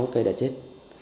ba mươi một cây đã chết